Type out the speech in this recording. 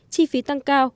chi phí tăng cao